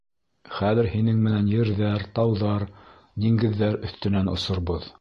— Хәҙер һинең менән ерҙәр, тауҙар, диңгеҙҙәр өҫтөнән осорбоҙ.